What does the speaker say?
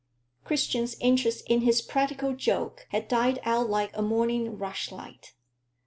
Christian's interest in his practical joke had died out like a morning rushlight.